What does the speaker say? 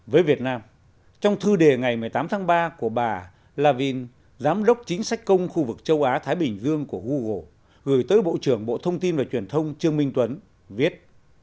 với việt nam trong thư đề ngày một mươi tám tháng ba của bà lavin giám đốc chính sách công khu vực châu á thái bình dương của google gửi tới bộ trưởng bộ thông tin và truyền thông trương minh tuấn viết